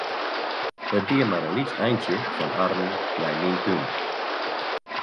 It wie mar in lyts eintsje fan harren nei myn tún.